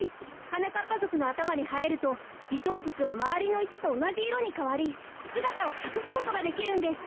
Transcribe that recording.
はなかっぱぞくのあたまにはえるとリトープスはまわりのいしとおなじいろにかわりすがたをかくすことができるんです。